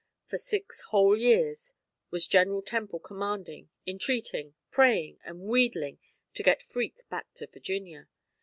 For six whole years was General Temple commanding, entreating, praying, and wheedling to get Freke back to Virginia.